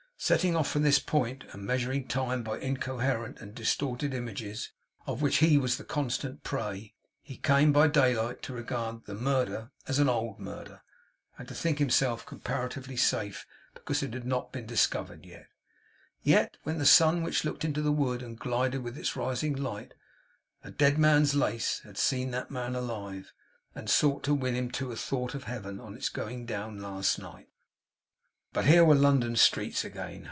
Setting off from this point, and measuring time by the rapid hurry of his guilty thoughts, and what had gone before the bloodshed, and the troops of incoherent and disordered images of which he was the constant prey; he came by daylight to regard the murder as an old murder, and to think himself comparatively safe because it had not been discovered yet. Yet! When the sun which looked into the wood, and gilded with its rising light a dead man's lace, had seen that man alive, and sought to win him to a thought of Heaven, on its going down last night! But here were London streets again.